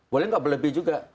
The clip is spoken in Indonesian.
boleh nggak berlebih juga